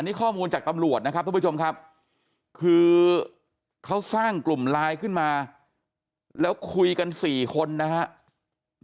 นี่ข้อมูลจากตำรวจนะครับท่านผู้ชมครับคือเขาสร้างกลุ่มไลน์ขึ้นมาแล้วคุยกัน๔คนนะครับ